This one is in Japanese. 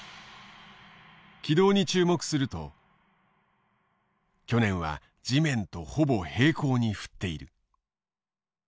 軌道に注目すると去年は地面とほぼ平行に振っている。